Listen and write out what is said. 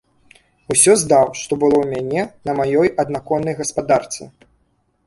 Усё здаў, што было ў мяне на маёй аднаконнай гаспадарцы.